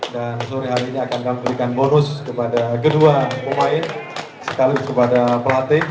dan sore hari ini akan kami berikan bonus kepada kedua pemain sekaligus kepada pelatih